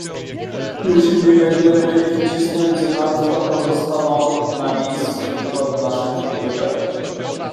"Jeśli nie będziemy ich cisnąć zanadto, pozostaną na miejscu i pod naszym wpływem."